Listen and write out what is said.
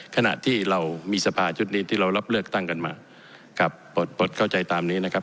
ขณะที่เรามีสภาชุดนี้ที่เรารับเลือกตั้งกันมาครับปลดปลดเข้าใจตามนี้นะครับ